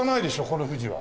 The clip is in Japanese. この富士は。